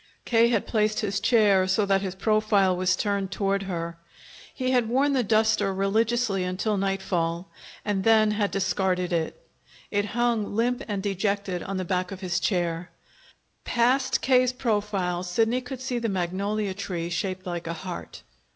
K. had placed his chair so that his profile was turned toward her. He had worn the duster religiously until nightfall, and then had discarded it. It hung limp and dejected on the back of his chair. Past K.'s profile Sidney could see the magnolia tree shaped like a heart.